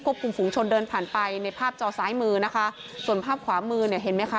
คุมฝูงชนเดินผ่านไปในภาพจอซ้ายมือนะคะส่วนภาพขวามือเนี่ยเห็นไหมคะ